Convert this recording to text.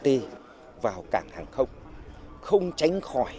với những dự án như cảng hàng không là lần đầu tiên doanh nghiệp tư nhân